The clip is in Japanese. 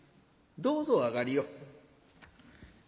どうぞお上がりを。